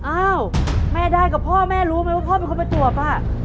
อ้าวแม่ได้กับพ่อแม่รู้ไหมว่าพ่อเป็นคนประจวบอ่ะ